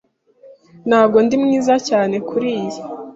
Ntabwo ndi mwiza cyane kuriyi.